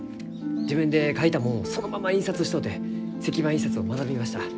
自分で描いたもんをそのまま印刷しとうて石版印刷を学びました。